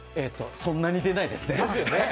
そんなに出ないです